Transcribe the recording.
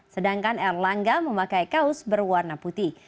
sedangkan erlangga memakai kaos berwarna putih